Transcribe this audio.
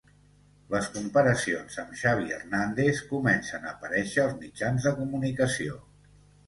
Les comparacions amb Xavi Hernández comencen a aparèixer als mitjans de comunicació.